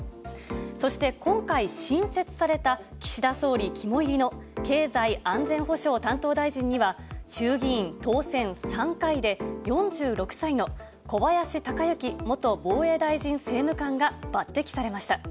そして今回、新設された岸田総理肝いりの経済安全保障担当大臣には、衆議院当選３回で４６歳の小林鷹之元防衛大臣政務官が抜てきされました。